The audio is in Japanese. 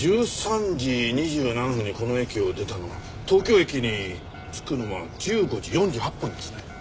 １３時２７分にこの駅を出たのが東京駅に着くのは１５時４８分ですね。